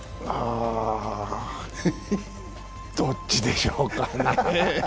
どっちでしょうか。